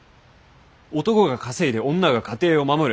男が稼いで女が家庭を守る。